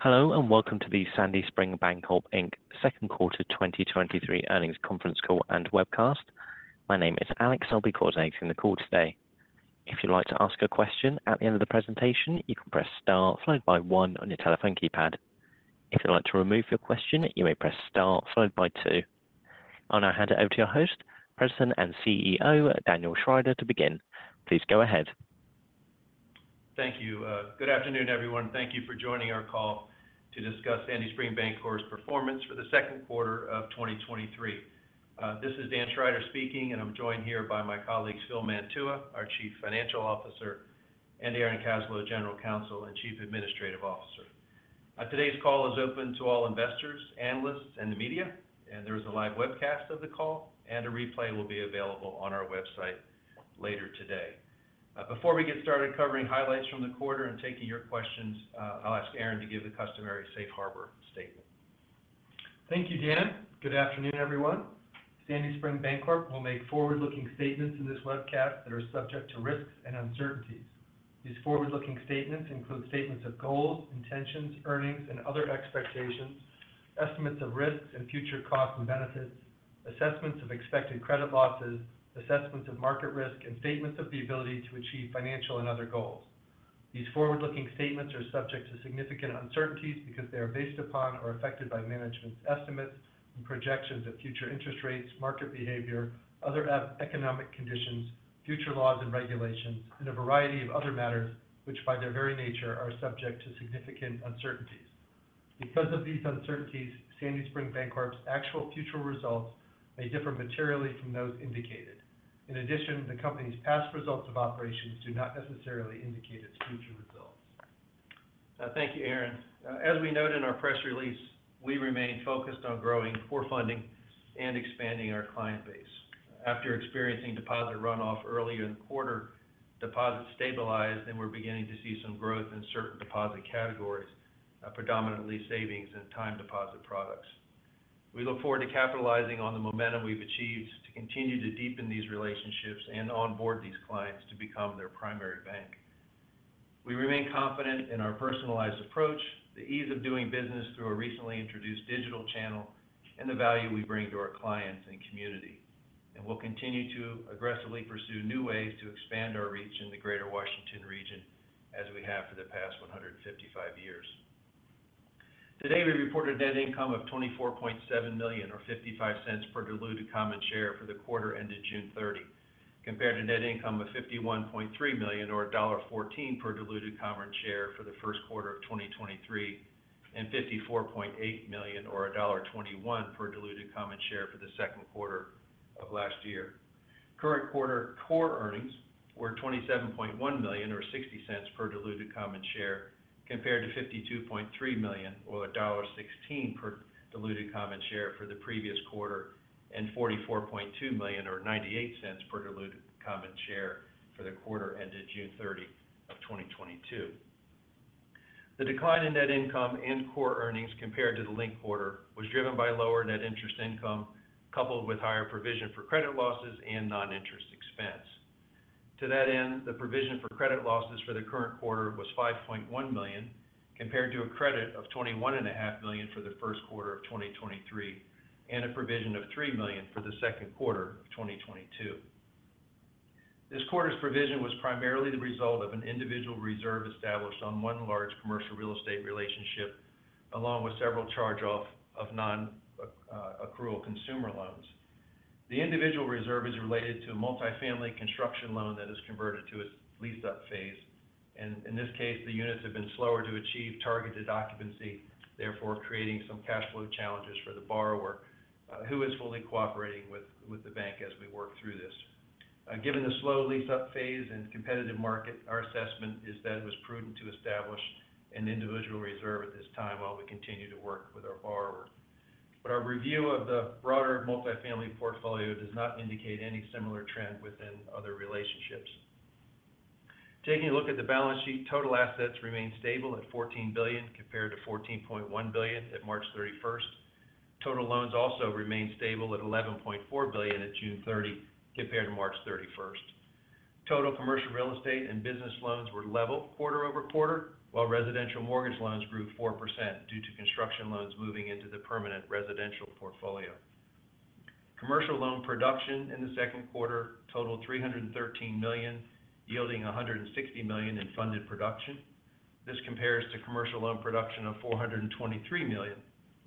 Hello, and welcome to the Sandy Spring Bancorp, Inc. Q2 2023 Earnings Conference Call and webcast. My name is Alex. I'll be coordinating the call today. If you'd like to ask a question at the end of the presentation, you can press star followed by one on your telephone keypad. If you'd like to remove your question, you may press star followed by two. I'll now hand it over to your host, President and CEO, Daniel Schrider, to begin. Please go ahead. Thank you. Good afternoon, everyone. Thank you for joining our call to discuss Sandy Spring Bancorp's performance for the Q2 of 2023. This is Dan Schrider speaking, and I'm joined here by my colleagues, Phil Mantua, our Chief Financial Officer, and Aaron Kaslow, General Counsel and Chief Administrative Officer. Today's call is open to all investors, analysts, and the media, and there is a live webcast of the call, and a replay will be available on our website later today. Before we get started covering highlights from the quarter and taking your questions, I'll ask Aaron to give the customary safe harbor statement. Thank you, Dan. Good afternoon, everyone. Sandy Spring Bancorp will make forward-looking statements in this webcast that are subject to risks and uncertainties. These forward-looking statements include statements of goals, intentions, earnings, and other expectations, estimates of risks and future costs and benefits, assessments of expected credit losses, assessments of market risk, and statements of the ability to achieve financial and other goals. These forward-looking statements are subject to significant uncertainties because they are based upon or affected by management's estimates and projections of future interest rates, market behavior, other economic conditions, future laws and regulations, and a variety of other matters which, by their very nature, are subject to significant uncertainties. Because of these uncertainties, Sandy Spring Bancorp's actual future results may differ materially from those indicated. In addition, the company's past results of operations do not necessarily indicate its future results. Thank you, Aaron. As we noted in our press release, we remain focused on growing core funding and expanding our client base. After experiencing deposit runoff earlier in the quarter, deposits stabilized, and we're beginning to see some growth in certain deposit categories, predominantly savings and time deposit products. We look forward to capitalizing on the momentum we've achieved to continue to deepen these relationships and onboard these clients to become their primary bank. We remain confident in our personalized approach, the ease of doing business through a recently introduced digital channel, and the value we bring to our clients and community. We'll continue to aggressively pursue new ways to expand our reach in the Greater Washington region, as we have for the past 155 years. Today, we reported net income of $24.7 million or $0.55 per diluted common share for the quarter ended June 30, compared to net income of $51.3 million or $1.14 per diluted common share for the Q1 of 2023, and $54.8 million or $1.21 per diluted common share for the Q2 of last year. Current quarter core earnings were $27.1 million or $0.60 per diluted common share, compared to $52.3 million or $1.16 per diluted common share for the previous quarter, and $44.2 million or $0.98 per diluted common share for the quarter ended June 30 of 2022. The decline in net income and core earnings compared to the linked quarter was driven by lower net interest income, coupled with higher provision for credit losses and non-interest expense. To that end, the provision for credit losses for the current quarter was $5.1 million, compared to a credit of $21.5 million for the Q1 of 2023, and a provision of $3 million for the Q2 of 2022. This quarter's provision was primarily the result of an individual reserve established on one large commercial real estate relationship, along with several charge-off of non-accrual consumer loans. The individual reserve is related to a multifamily construction loan that has converted to a leased-up phase, and in this case, the units have been slower to achieve targeted occupancy, therefore, creating some cash flow challenges for the borrower, who is fully cooperating with the bank as we work through this. Given the slow lease-up phase and competitive market, our assessment is that it was prudent to establish an individual reserve at this time while we continue to work with our borrower. Our review of the broader multifamily portfolio does not indicate any similar trend within other relationships. Taking a look at the balance sheet, total assets remain stable at $14 billion, compared to $14.1 billion at March 31st. Total loans also remain stable at $11.4 billion at June 30 compared to March 31st. Total commercial real estate and business loans were level quarter-over-quarter, while residential mortgage loans grew 4% due to construction loans moving into the permanent residential portfolio. Commercial loan production in the Q2 totaled $313 million, yielding $160 million in funded production. This compares to commercial loan production of $423 million,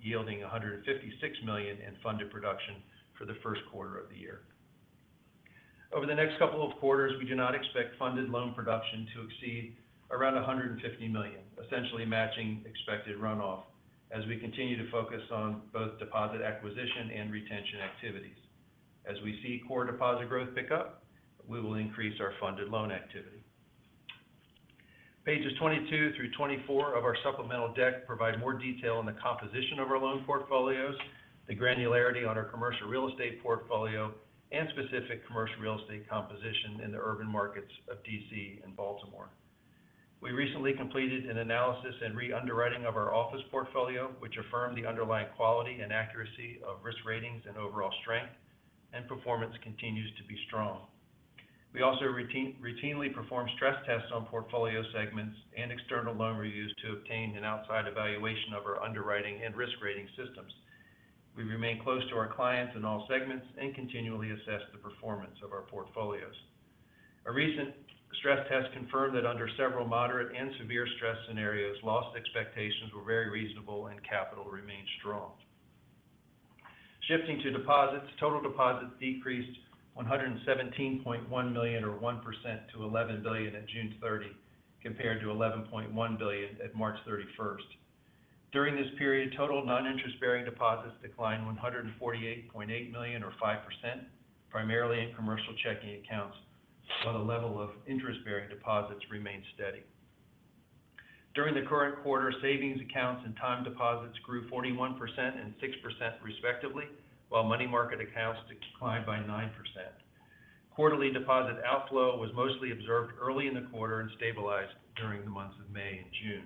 yielding $156 million in funded production for the Q1 of the year. Over the next couple of quarters, we do not expect funded loan production to exceed around $150 million, essentially matching expected runoff as we continue to focus on both deposit acquisition and retention activities. As we see core deposit growth pick up, we will increase our funded loan activity. Pages 22 through 24 of our supplemental deck provide more detail on the composition of our loan portfolios, the granularity on our commercial real estate portfolio, and specific commercial real estate composition in the urban markets of D.C. and Baltimore. We recently completed an analysis and re-underwriting of our office portfolio, which affirmed the underlying quality and accuracy of risk ratings and overall strength, and performance continues to be strong. We also routinely perform stress tests on portfolio segments and external loan reviews to obtain an outside evaluation of our underwriting and risk rating systems. We remain close to our clients in all segments and continually assess the performance of our portfolios. A recent stress test confirmed that under several moderate and severe stress scenarios, loss expectations were very reasonable and capital remained strong. Shifting to deposits, total deposits decreased $117.1 million, or 1%, to $11 billion at June 30, compared to $11.1 billion at March 31. During this period, total non-interest-bearing deposits declined $148.8 million, or 5%, primarily in commercial checking accounts, while the level of interest-bearing deposits remained steady. During the current quarter, savings accounts and time deposits grew 41% and 6% respectively, while money market accounts declined by 9%. Quarterly deposit outflow was mostly observed early in the quarter and stabilized during the months of May and June.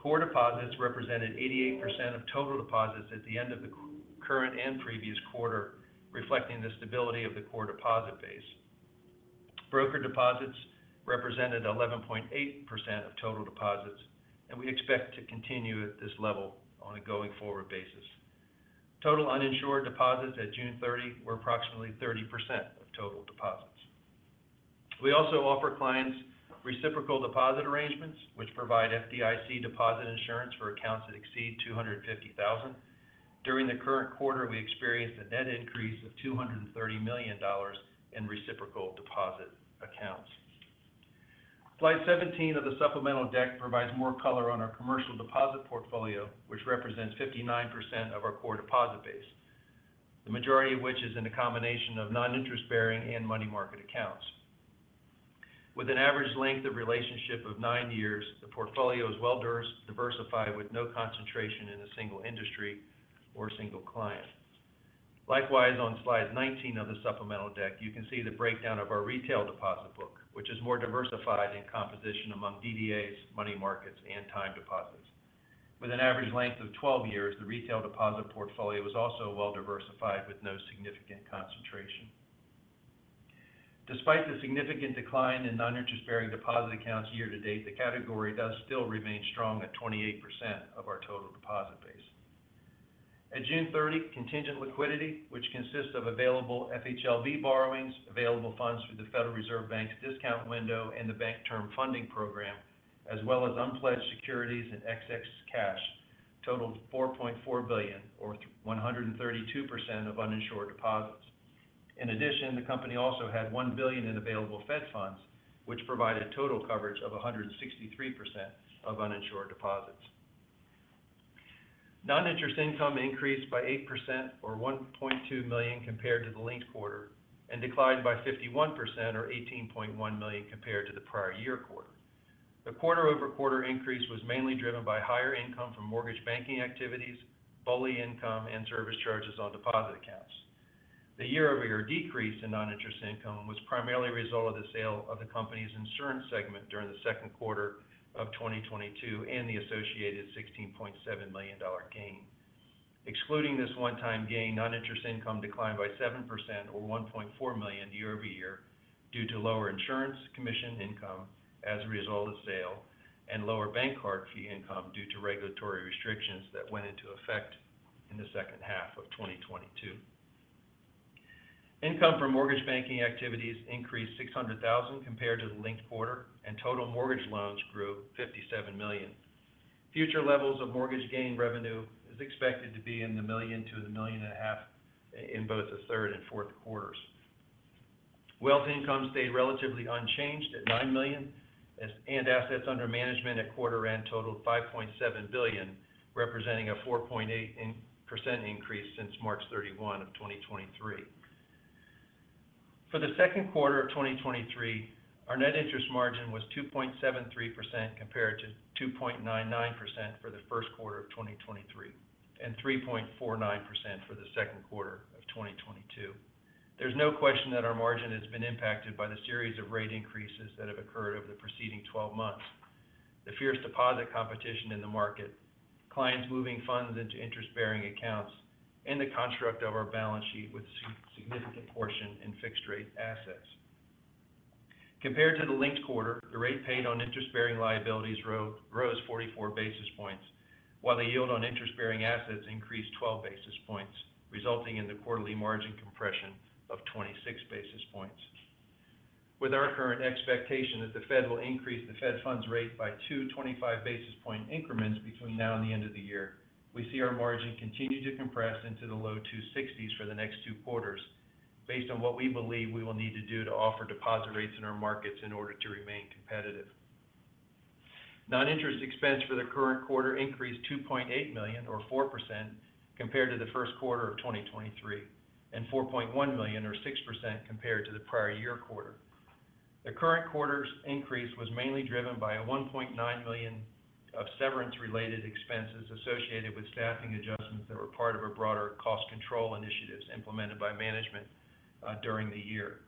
Core deposits represented 88% of total deposits at the end of the current and previous quarter, reflecting the stability of the core deposit base. Broker deposits represented 11.8% of total deposits. We expect to continue at this level on a going-forward basis. Total uninsured deposits at June 30 were approximately 30% of total deposits. We also offer clients reciprocal deposit arrangements, which provide FDIC deposit insurance for accounts that exceed 250,000. During the current quarter, we experienced a net increase of $230 million in reciprocal deposit accounts. Slide 17 of the supplemental deck provides more color on our commercial deposit portfolio, which represents 59% of our core deposit base. The majority of which is in a combination of non-interest-bearing and money market accounts. With an average length of relationship of nine years, the portfolio is well diversified with no concentration in a single industry or single client. Likewise, on Slide 19 of the supplemental deck, you can see the breakdown of our retail deposit book, which is more diversified in composition among DDAs, money markets, and time deposits. With an average length of 12 years, the retail deposit portfolio is also well diversified with no significant concentration. Despite the significant decline in non-interest-bearing deposit accounts year to date, the category does still remain strong at 28% of our total deposit base. At June 30, contingent liquidity, which consists of available FHLB borrowings, available funds through the Federal Reserve Bank's discount window, and the Bank Term Funding Program, as well as unpledged securities and excess cash, totaled $4.4 billion, or 132% of uninsured deposits. The company also had $1 billion in available Fed funds, which provided total coverage of 163% of uninsured deposits. Non-interest income increased by 8% or $1.2 million compared to the linked quarter, and declined by 51% or $18.1 million compared to the prior year quarter. The quarter-over-quarter increase was mainly driven by higher income from mortgage banking activities, BOLI income, and service charges on deposit accounts. The year-over-year decrease in non-interest income was primarily a result of the sale of the company's insurance segment during the Q2 2022 and the associated $16.7 million gain. Excluding this one-time gain, non-interest income declined by 7% or $1.4 million year-over-year due to lower insurance commission income as a result of sale, and lower bank card fee income due to regulatory restrictions that went into effect in the H2 2022. Income from mortgage banking activities increased $600,000 compared to the linked quarter. Total mortgage loans grew $57 million. Future levels of mortgage gain revenue is expected to be in the $1 million-$1.5 million in both the Q3 and Q4s. Wealth income stayed relatively unchanged at $9 million, and assets under management at quarter end totaled $5.7 billion, representing a 4.8% increase since March 31, 2023. For the Q2 of 2023, our net interest margin was 2.73% compared to 2.99% for the Q1 of 2023, and 3.49% for the Q2 of 2022. There's no question that our margin has been impacted by the series of rate increases that have occurred over the preceding 12 months. The fierce deposit competition in the market, clients moving funds into interest-bearing accounts, and the construct of our balance sheet with a significant portion in fixed rate assets. Compared to the linked quarter, the rate paid on interest-bearing liabilities rose 44 basis points, while the yield on interest-bearing assets increased 12 basis points, resulting in the quarterly margin compression of 26 basis points. With our current expectation that the Fed will increase the Fed funds rate by 225 basis point increments between now and the end of the year, we see our margin continue to compress into the low two sixties for the next two quarters based on what we believe we will need to do to offer deposit rates in our markets in order to remain competitive. Non-interest expense for the current quarter increased $2.8 million, or 4%, compared to the Q1 of 2023, and $4.1 million, or 6%, compared to the prior year quarter. The current quarter's increase was mainly driven by a $1.9 million of severance-related expenses associated with staffing adjustments that were part of a broader cost control initiatives implemented by management during the year.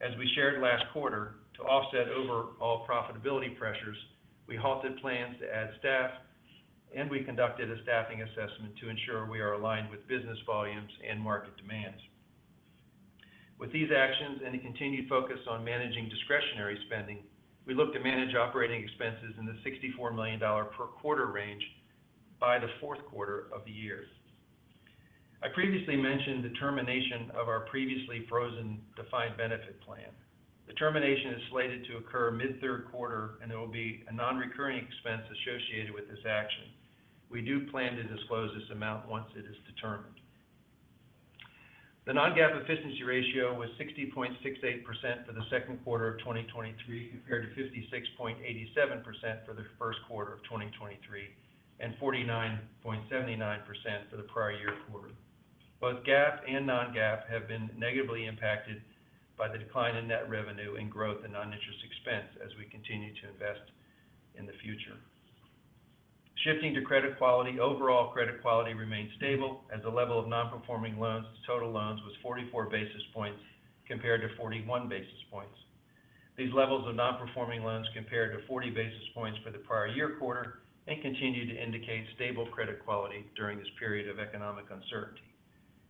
As we shared last quarter, to offset overall profitability pressures, we halted plans to add staff, and we conducted a staffing assessment to ensure we are aligned with business volumes and market demands. With these actions and a continued focus on managing discretionary spending, we look to manage operating expenses in the $64 million per quarter range by the Q4 of the year. I previously mentioned the termination of our previously frozen defined benefit plan. The termination is slated to occur mid-Q3. There will be a non-recurring expense associated with this action. We do plan to disclose this amount once it is determined. The non-GAAP efficiency ratio was 60.68% for the Q2 of 2023, compared to 56.87% for the Q1 of 2023, and 49.79% for the prior year quarter. Both GAAP and non-GAAP have been negatively impacted by the decline in net revenue and growth in non-interest expense as we continue to invest in the future. Shifting to credit quality. Overall credit quality remains stable, as the level of non-performing loans to total loans was 44 basis points compared to 41 basis points. These levels of non-performing loans compared to 40 basis points for the prior year quarter and continue to indicate stable credit quality during this period of economic uncertainty.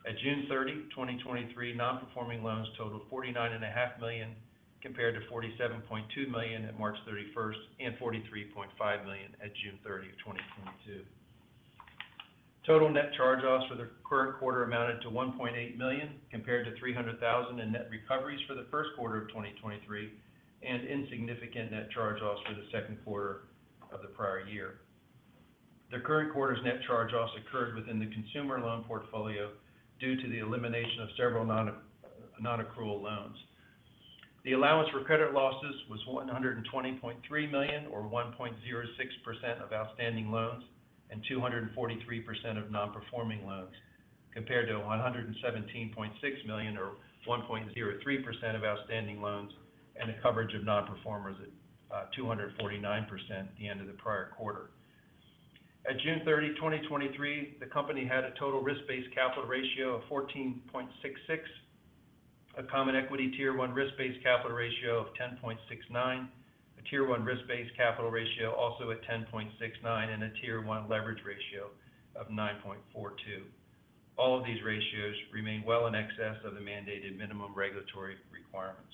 At June 30, 2023, non-performing loans totaled $49.5 million, compared to $47.2 million at March 31st and $43.5 million at June 30, 2022. Total net charge-offs for the current quarter amounted to $1.8 million, compared to $300,000 in net recoveries for the 1st quarter of 2023, and insignificant net charge-offs for the Q2 of the prior year. The current quarter's net charge-offs occurred within the consumer loan portfolio due to the elimination of several non-accrual loans. The allowance for credit losses was $120.3 million, or 1.06% of outstanding loans, and 243% of non-performing loans, compared to $117.6 million, or 1.03% of outstanding loans, and a coverage of non-performers at 249% at the end of the prior quarter. At June 30, 2023, the company had a total risk-based capital ratio of 14.66%, a common equity Tier 1 risk-based capital ratio of 10.69%, a Tier 1 risk-based capital ratio also at 10.69%, and a Tier 1 leverage ratio of 9.42%. All of these ratios remain well in excess of the mandated minimum regulatory requirements.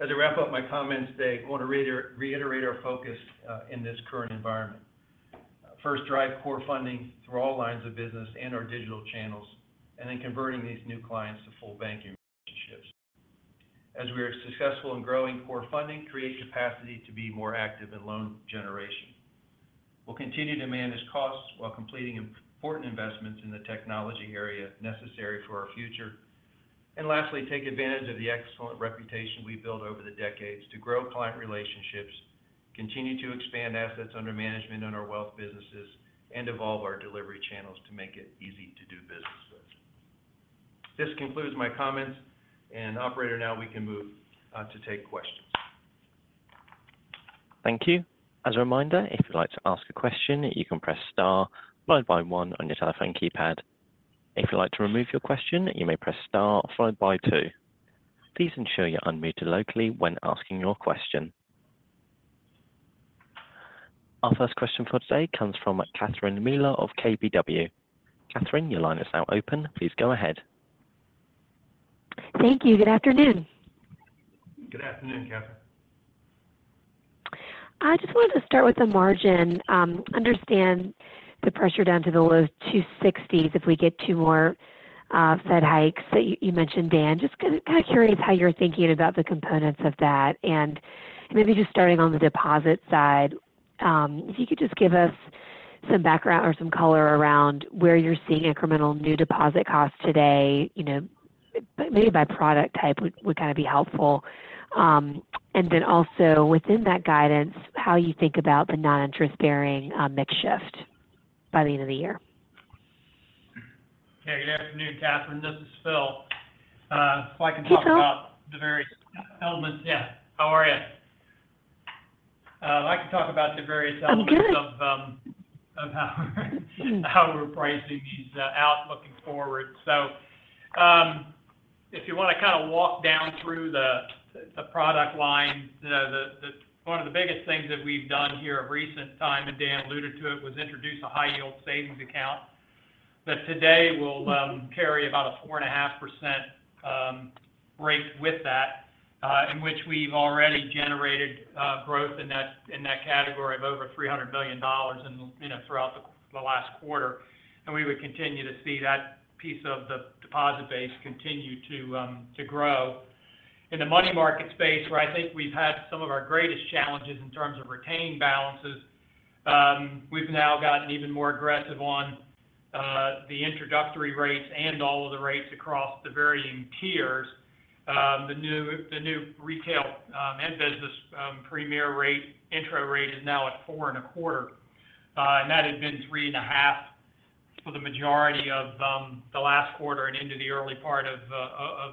As I wrap up my comments today, I want to reiterate our focus in this current environment. First, drive core funding through all lines of business and our digital channels, and then converting these new clients to full banking relationships. As we are successful in growing core funding, create capacity to be more active in loan generation. We'll continue to manage costs while completing important investments in the technology area necessary for our future. Lastly, take advantage of the excellent reputation we've built over the decades to grow client relationships, continue to expand assets under management on our wealth businesses, and evolve our delivery channels to make it easy to do business with. This concludes my comments. Operator, now we can move to take questions. Thank you. As a reminder, if you'd like to ask a question, you can press star followed by one on your telephone keypad. If you'd like to remove your question, you may press star followed by two. Please ensure you're unmuted locally when asking your question. Our first question for today comes from Catherine Mealor of KBW. Catherine, your line is now open. Please go ahead. Thank you. Good afternoon. Good afternoon, Catherine. I just wanted to start with the margin. Understand the pressure down to the low 260s if we get two more Fed hikes that you mentioned, Dan. Just kind of curious how you're thinking about the components of that, maybe just starting on the deposit side, if you could just give us some background or some color around where you're seeing incremental new deposit costs today, you know, maybe by product type would kind of be helpful. Also within that guidance, how you think about the non-interest-bearing mix shift by the end of the year? Okay. Good afternoon, Catherine. This is Phil. Hey, Phil. The various elements. Yeah, how are you? I can talk about the various elements. I'm good. How we're pricing these out looking forward. If you want to kind of walk down through the product line, one of the biggest things that we've done here of recent time, and Dan alluded to it, was introduce a high yield savings account that today will carry about a 4.5% rate with that, in which we've already generated growth in that category of over $300 billion, you know, throughout the last quarter. We would continue to see that piece of the deposit base continue to grow. In the money market space, where I think we've had some of our greatest challenges in terms of retaining balances, we've now gotten even more aggressive on the introductory rates and all of the rates across the varying tiers. The new retail and business premier rate, intro rate is now at four and a quarter and that had been three and a half for the majority of the last quarter and into the early part of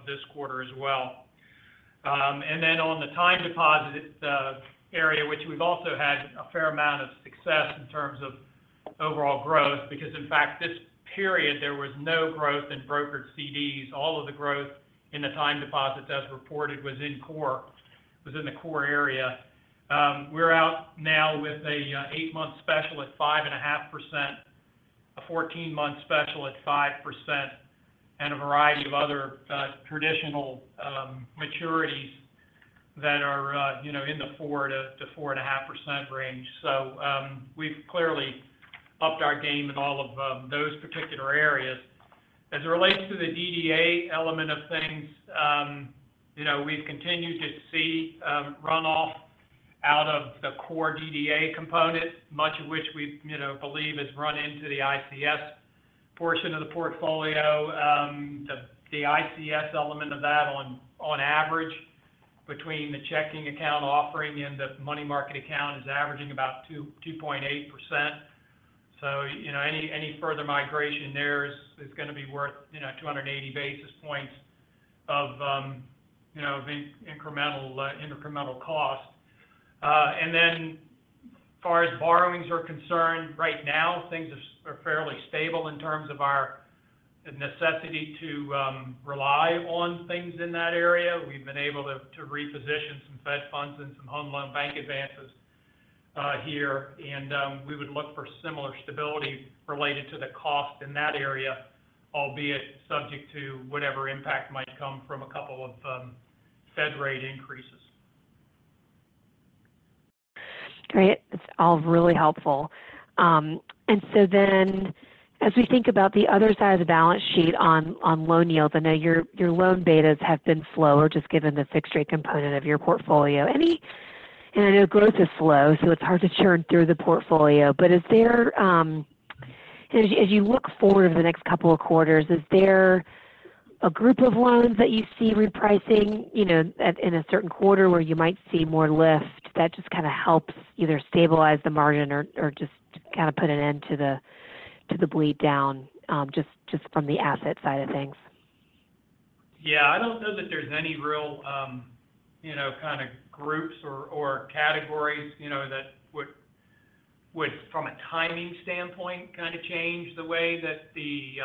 this quarter as well. On the time deposit area, which we've also had a fair amount of success in terms of overall growth, because in fact, this period, there was no growth in brokered CDs. All of the growth in the time deposits, as reported, was in core, was in the core area. We're out now with a 8-month special at 5.5%, a 14-month special at 5%, and a variety of other traditional maturities that are, you know, in the 4%-4.5% range. We've clearly upped our game in all of those particular areas. As it relates to the DDA element of things, you know, we've continued to see runoff out of the core DDA component, much of which we've, you know, believe has run into the ICS portion of the portfolio. The ICS element of that on average, between the checking account offering and the money market account, is averaging about 2.8%. You know, any further migration there is gonna be worth, you know, 280 basis points of, you know, the incremental cost. Far as borrowings are concerned, right now, things are fairly stable in terms of our necessity to rely on things in that area. We've been able to reposition some Fed funds and some home loan bank advances here. We would look for similar stability related to the cost in that area, albeit subject to whatever impact might come from a couple of Fed rate increases. Great. It's all really helpful. As we think about the other side of the balance sheet on loan yields, I know your loan betas have been slower, just given the fixed rate component of your portfolio. I know growth is slow, so it's hard to churn through the portfolio, but is there, as you look forward over the next couple of quarters, a group of loans that you see repricing, you know, in a certain quarter, where you might see more lift that just kind of helps either stabilize the margin or just to kind of put an end to the bleed down, just from the asset side of things? Yeah. I don't know that there's any real, you know, kind of groups or categories, you know, that would, from a timing standpoint, kind of change the way that the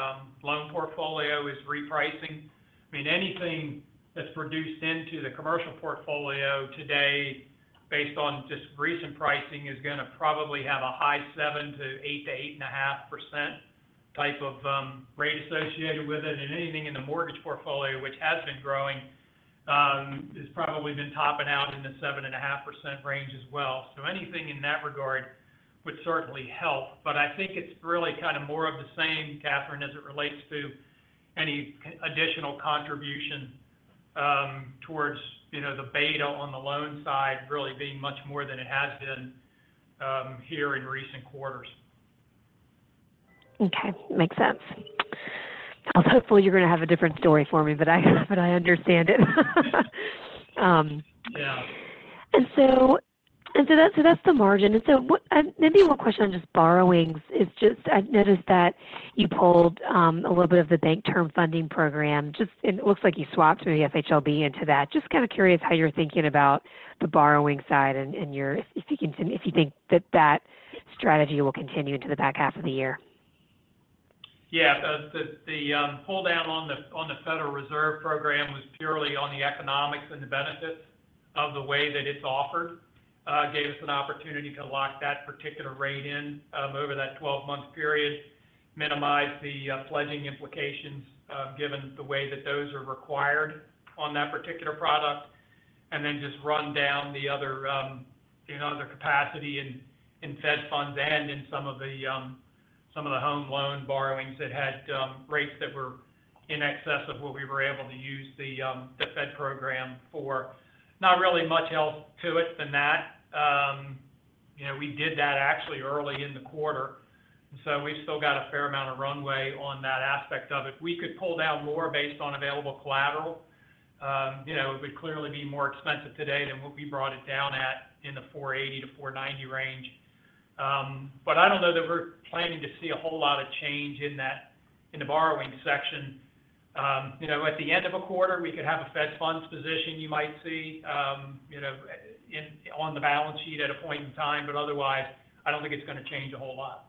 loan portfolio is repricing. I mean, anything that's produced into the commercial portfolio today, based on just recent pricing, is gonna probably have a high 7%-8.5% type of rate associated with it. Anything in the mortgage portfolio, which has been growing, has probably been topping out in the 7.5% range as well. Anything in that regard would certainly help, but I think it's really kind of more of the same, Catherine, as it relates to any additional contribution, towards, you know, the beta on the loan side really being much more than it has been, here in recent quarters. Okay. Makes sense. Hopefully, you're gonna have a different story for me, but I understand it. Yeah. That's the margin. Maybe one question on just borrowings is just I've noticed that you pulled a little bit of the Bank Term Funding Program. It looks like you swapped the FHLB into that. Kind of curious how you're thinking about the borrowing side, if you can, if you think that strategy will continue into the back half of the year? Yeah. The, the pull down on the, on the Federal Reserve program was purely on the economics and the benefits of the way that it's offered. It gave us an opportunity to lock that particular rate in over that 12-month period, minimize the pledging implications given the way that those are required on that particular product, and then just run down the other, you know, the capacity in Fed funds and in some of the some of the home loan borrowings that had rates that were in excess of what we were able to use the Fed program for, not really much else to it than that. You know, we did that actually early in the quarter, so we've still got a fair amount of runway on that aspect of it. We could pull down more based on available collateral. You know, it would clearly be more expensive today than what we brought it down at in the 480-490 range. I don't know that we're planning to see a whole lot of change in that, in the borrowing section. You know, at the end of a quarter, we could have a Fed funds position you might see, you know, in, on the balance sheet at a point in time, but otherwise, I don't think it's gonna change a whole lot.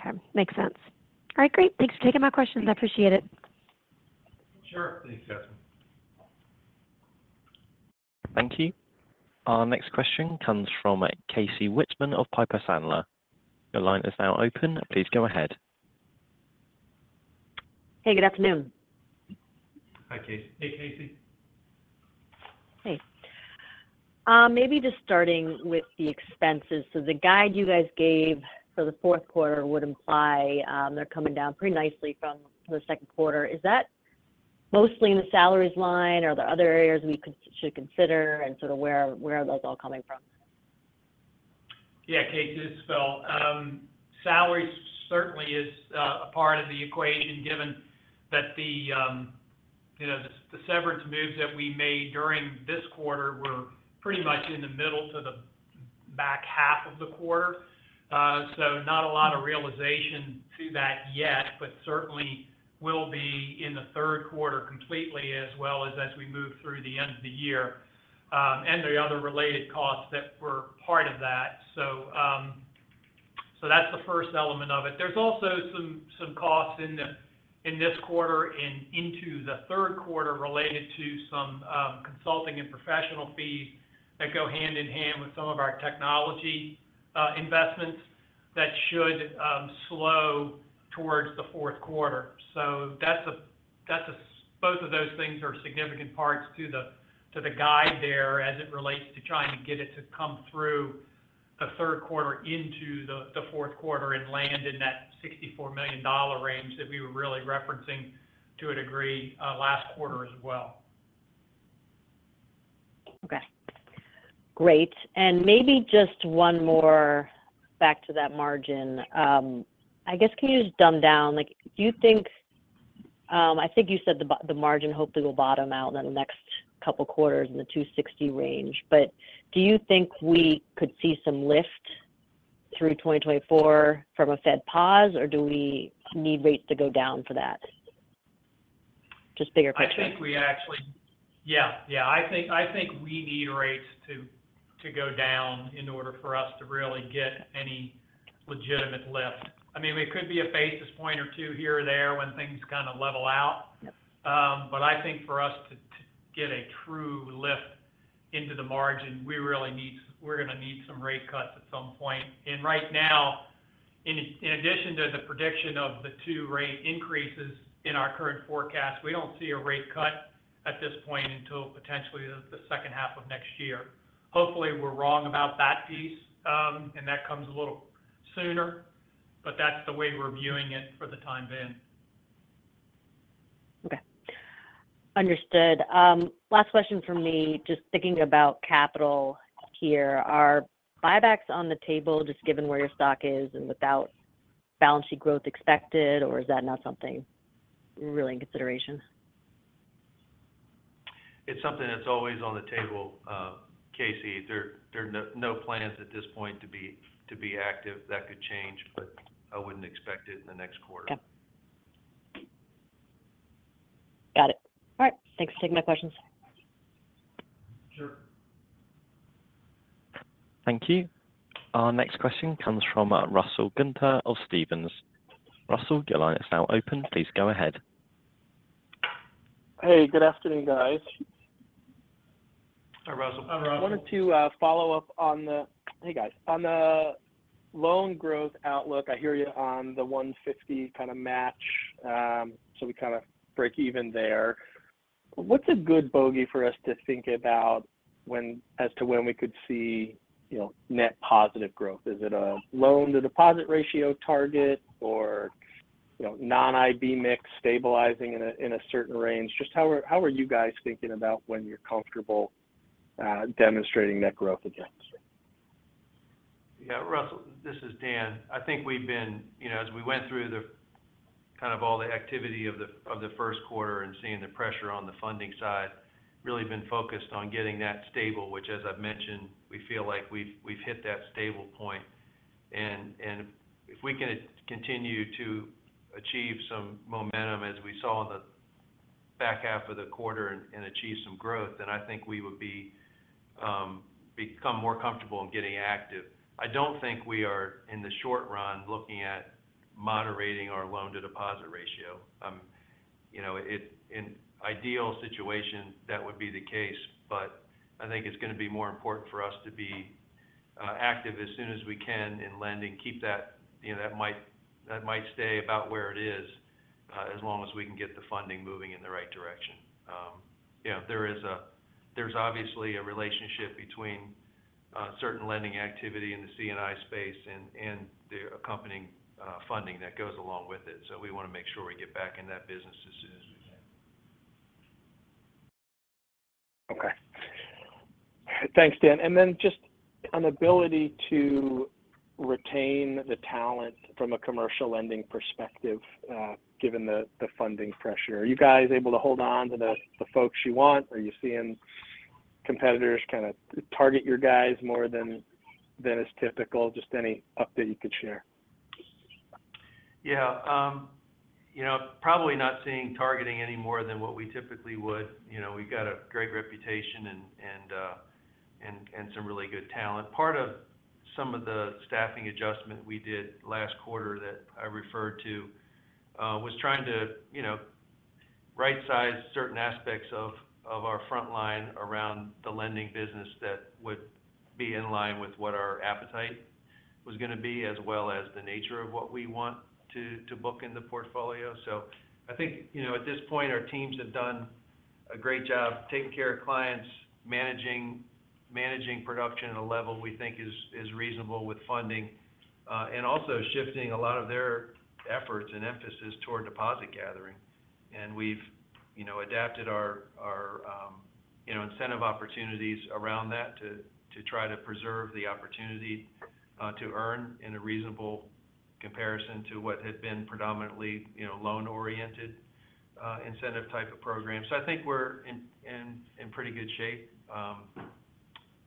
Okay. Makes sense. All right, great. Thanks for taking my questions. I appreciate it. Sure. Thanks, Catherine. Thank you. Our next question comes from Casey Whitman of Piper Sandler. Your line is now open. Please go ahead. Hey, good afternoon. Hi, Casey. Hey, Casey. Hey. Maybe just starting with the expenses. The guide you guys gave for the Q4 would imply they're coming down pretty nicely from the Q2. Is that mostly in the salaries line, or are there other areas we should consider and sort of where are those all coming from? Yeah, Casey, this is Phil. Salaries certainly is a part of the equation, given that the, you know, the severance moves that we made during this quarter were pretty much in the middle to the back half of the quarter, so not a lot of realization to that yet, but certainly will be in the Q3 completely, as well as we move through the end of the year, and the other related costs that were part of that. That's the first element of it. There's also some costs in this quarter and into the Q3 related to some consulting and professional fees that go hand in hand with some of our technology investments that should slow towards the Q4. That's both of those things are significant parts to the guide there as it relates to trying to get it to come through the Q3 into the Q4 and land in that $64 million range that we were really referencing to a degree last quarter as well. Okay. Great. Maybe just one more back to that margin. I guess, can you just dumb down, like, do you think, I think you said the margin hopefully will bottom out in the next couple quarters in the 2.60% range, but do you think we could see some lift through 2024 from a Fed pause, or do we need rates to go down for that? Just bigger question. Yeah, yeah. I think we need rates to go down in order for us to really get any legitimate lift. I mean, there could be a basis point or 2 here or there when things kind of level out. Yep. I think for us to get a true lift into the margin, we're going to need some rate cuts at some point. Right now, in addition to the prediction of the two rate increases in our current forecast, we don't see a rate cut at this point until potentially the H2 of next year. Hopefully, we're wrong about that piece, and that comes a little sooner, but that's the way we're viewing it for the time being. Okay. Understood. Last question from me, just thinking about capital here, are buybacks on the table, just given where your stock is and without balance sheet growth expected, or is that not something really in consideration? It's something that's always on the table, Casey. There are no plans at this point to be active. That could change, but I wouldn't expect it in the next quarter. Yep. Got it. All right. Thanks. Those are my questions. Sure. Thank you. Our next question comes from Russell Gunther of Stephens. Russell, your line is now open. Please go ahead. Hey, good afternoon, guys. Hi, Russell. Hi, Russell. I wanted to follow up. Hey, guys. On the loan growth outlook, I hear you on the 150 kind of match, we kind of break even there. What's a good bogey for us to think about as to when we could see, you know, net positive growth? Is it a loan-to-deposit ratio target or, you know, non-IB mix stabilizing in a, in a certain range? Just how are you guys thinking about when you're comfortable demonstrating net growth again? Yeah, Russell, this is Dan. I think we've been, you know, as we went through the kind of all the activity of the, of the Q1 and seeing the pressure on the funding side, really been focused on getting that stable, which, as I've mentioned, we feel like we've hit that stable point. If we can continue to achieve some momentum as we saw in the back half of the quarter and achieve some growth, I think we would be become more comfortable in getting active. I don't think we are, in the short run, looking at moderating our loan-to-deposit ratio. You know, in ideal situations, that would be the case, I think it's going to be more important for us to be active as soon as we can in lending. Keep that, you know, that might stay about where it is, as long as we can get the funding moving in the right direction. Yeah, there's obviously a relationship between certain lending activity in the C&I space and the accompanying funding that goes along with it. We want to make sure we get back in that business as soon as we can. Okay. Thanks, Dan. Just on ability to retain the talent from a commercial lending perspective, given the funding pressure, are you guys able to hold on to the folks you want? Are you seeing competitors kind of target your guys more than is typical? Just any update you could share. You know, probably not seeing targeting any more than what we typically would. You know, we've got a great reputation and, and some really good talent. Part of some of the staffing adjustment we did last quarter that I referred to, was trying to, you know, right-size certain aspects of our frontline around the lending business that would be in line with what our appetite was going to be, as well as the nature of what we want to book in the portfolio. I think, you know, at this point, our teams have done a great job taking care of clients, managing production at a level we think is reasonable with funding, and also shifting a lot of their efforts and emphasis toward deposit gathering. We've, you know, adapted our, you know, incentive opportunities around that to try to preserve the opportunity to earn in a reasonable comparison to what had been predominantly, you know, loan-oriented incentive type of program. I think we're in pretty good shape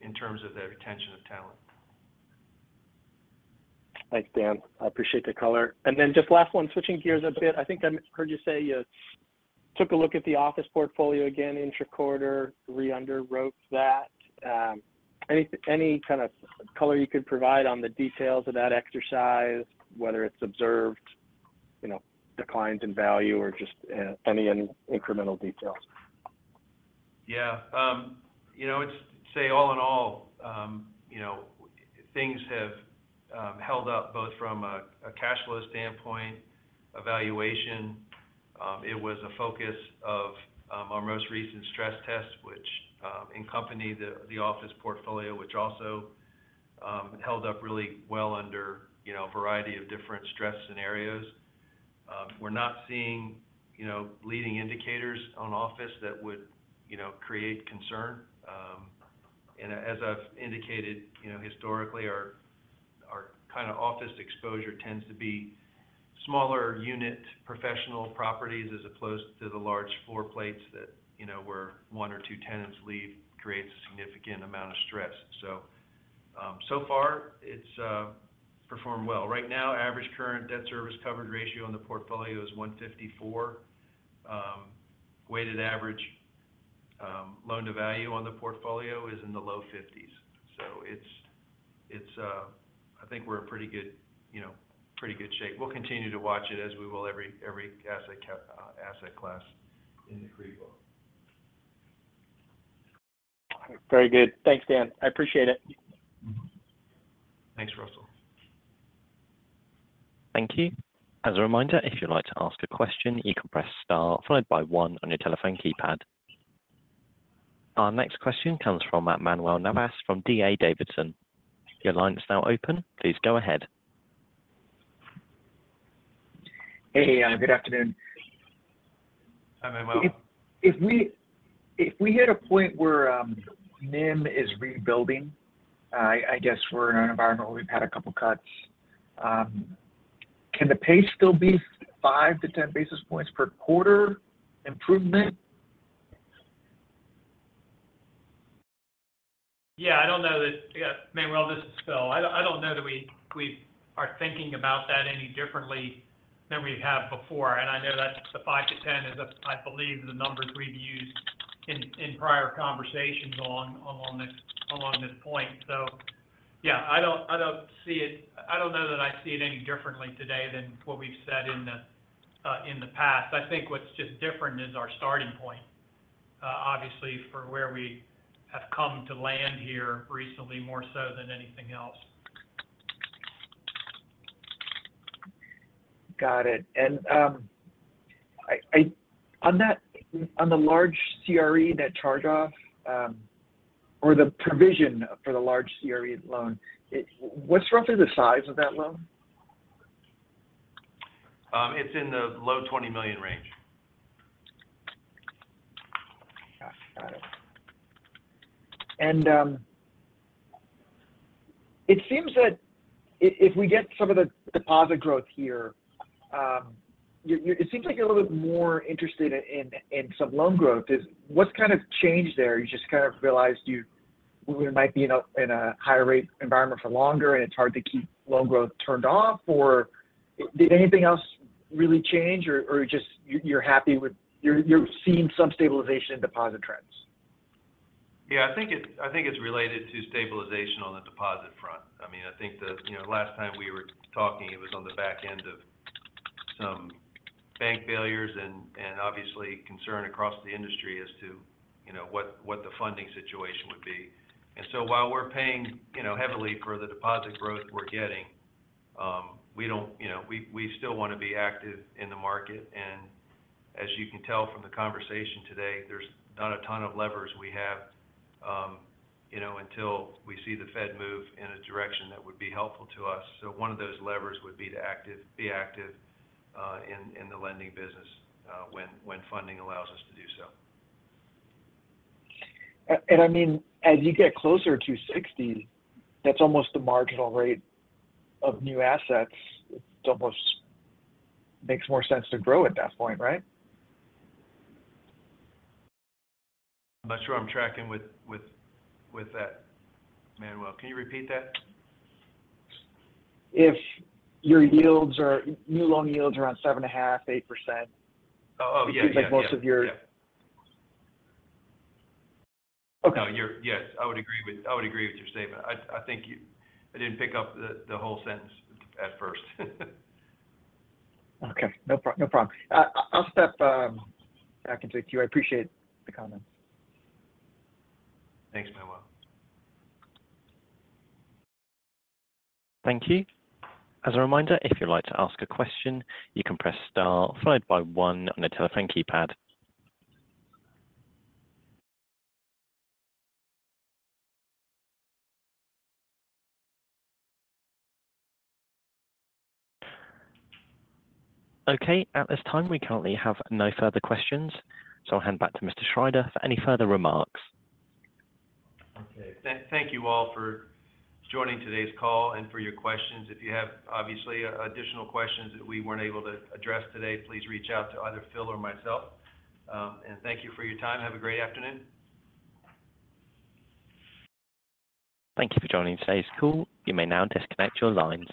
in terms of the retention of talent. Thanks, Dan. I appreciate the color. Just last one, switching gears a bit. I think I heard you say you took a look at the office portfolio again intra-quarter, re-underwrote that. Any, any kind of color you could provide on the details of that exercise, whether it's observed, you know, declines in value or just, any incremental details? Yeah. you know, it's say, all in all, you know, things have held up both from a cash flow standpoint, a valuation. It was a focus of our most recent stress test, which in company, the office portfolio, which also held up really well under, you know, a variety of different stress scenarios. We're not seeing, you know, leading indicators on office that would, you know, create concern. As I've indicated, you know, historically, our kind of office exposure tends to be smaller unit professional properties, as opposed to the large floor plates that, you know, where one or two tenants leave creates a significant amount of stress. So far, it's performed well. Right now, average current debt service coverage ratio on the portfolio is 1.54. Weighted average, loan-to-value on the portfolio is in the low 50s. It's, I think we're in pretty good, you know, pretty good shape. We'll continue to watch it as we will every asset class in the CRE. Very good. Thanks, Dan. I appreciate it. Thanks, Russell. Thank you. As a reminder, if you'd like to ask a question, you can press star, followed by one on your telephone keypad. Our next question comes from Manuel Navas from D.A. Davidson. Your line is now open. Please go ahead. Hey, good afternoon. Hi, Manuel. If we hit a point where NIM is rebuilding, I guess we're in an environment where we've had a couple of cuts, can the pace still be five to 10 basis points per quarter improvement? Manuel, this is Phil. I don't know that we are thinking about that any differently than we have before. I know that the five to 10 is, I believe, the numbers we've used in prior conversations on along this point. I don't know that I see it any differently today than what we've said in the past. I think what's just different is our starting point, obviously, for where we have come to land here recently, more so than anything else. Got it. On that, on the large CRE net charge-off, or the provision for the large CRE loan, what's roughly the size of that loan? It's in the low $20 million range. Got it. If we get some of the deposit growth here, it seems like you're a little bit more interested in some loan growth. What's kind of changed there? You just kind of realized we might be in a higher rate environment for longer, and it's hard to keep loan growth turned off, or did anything else really change? Just you're happy with you're seeing some stabilization in deposit trends? I think it's related to stabilization on the deposit front. I mean, I think the, you know, last time we were talking, it was on the back end of some bank failures and obviously concern across the industry as to, you know, what the funding situation would be. While we're paying, you know, heavily for the deposit growth we're getting, we don't, you know, we still want to be active in the market, and as you can tell from the conversation today, there's not a ton of levers we have, you know, until we see the Fed move in a direction that would be helpful to us. One of those levers would be to be active in the lending business when funding allows us to do so. I mean, as you get closer to 60, that's almost the marginal rate of new assets. It almost makes more sense to grow at that point, right? I'm not sure I'm tracking with that, Manuel. Can you repeat that? If your new loan yields are around 7.5%-8%. Oh, oh, yeah. It seems like most of your- Yeah. Okay. Yes, I would agree with your statement. I think I didn't pick up the whole sentence at first. Okay, no problem. I'll step back into a queue. I appreciate the comments. Thanks, Manuel. Thank you. As a reminder, if you'd like to ask a question, you can press star, followed by one on the telephone keypad. Okay. At this time, we currently have no further questions, so I'll hand back to Mr. Schrider for any further remarks. Okay. Thank you all for joining today's call and for your questions. If you have, obviously, additional questions that we weren't able to address today, please reach out to either Phil or myself. Thank you for your time. Have a great afternoon. Thank you for joining today's call. You may now disconnect your lines.